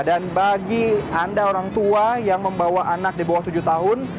dan bagi anda orang tua yang membawa anak di bawah tujuh tahun